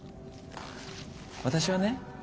私はね